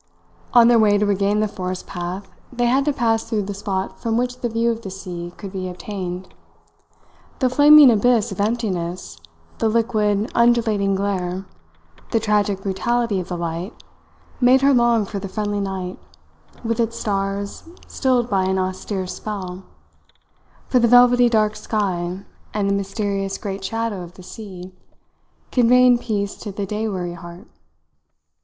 On their way to regain the forest path they had to pass through the spot from which the view of the sea could be obtained. The flaming abyss of emptiness, the liquid, undulating glare, the tragic brutality of the light, made her long for the friendly night, with its stars stilled by an austere spell; for the velvety dark sky and the mysterious great shadow of the sea, conveying peace to the day weary heart.